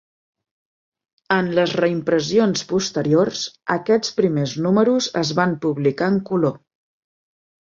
En les reimpressions posteriors, aquests primers números es van publicar en color.